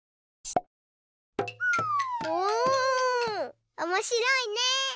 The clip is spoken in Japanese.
おおおもしろいね！